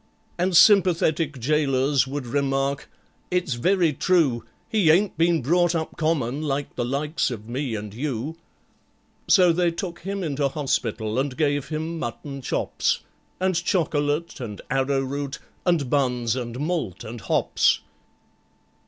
And sympathetic gaolers would remark, "It's very true, He ain't been brought up common, like the likes of me and you." So they took him into hospital, and gave him mutton chops, And chocolate, and arrowroot, and buns, and malt and hops.